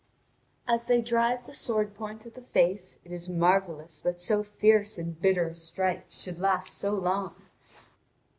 As they drive the sword point at the face, it is marvellous that so fierce and bitter a strife should last so long.